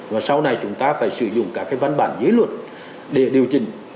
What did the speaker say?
và sau này chúng ta phải sử dụng các cái văn bản dưới luật để điều chỉnh